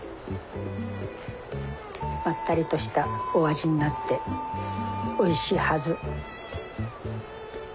まったりとしたお味になっておいしいはず。